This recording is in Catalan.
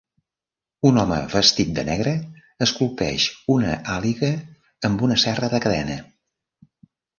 Un home vestit de negre esculpeix una àliga amb una serra de cadena.